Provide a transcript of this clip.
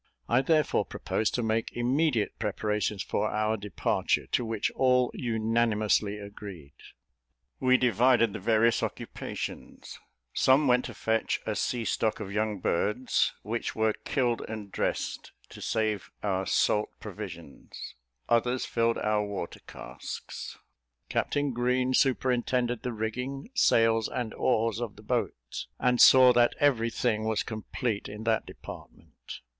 I therefore proposed to make immediate preparations for our departure, to which all unanimously agreed. We divided the various occupations; some went to fetch a sea stock of young birds, which were killed and dressed to save our salt provisions; others filled all our water casks. Captain Green superintended the rigging, sails, and oars of the boat, and saw that every thing was complete in that department.